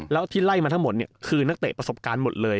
แล้วที่ไล่มาทั้งหมดคือนักเตะประสบการณ์หมดเลย